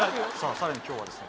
さらに今日はですね